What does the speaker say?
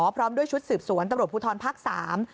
พร้อมด้วยชุดสืบสวนตำรวจภูทรภาคสาม